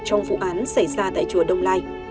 trong vụ án xảy ra tại chùa đông lai